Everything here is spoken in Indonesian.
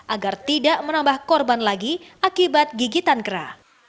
agar tidak menambah korban lagi akibat gigitan kera